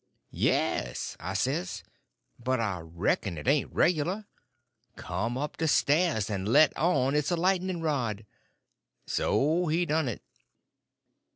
"Yes," I says, "but I reckon it ain't regular. Come up the stairs, and let on it's a lightning rod." So he done it.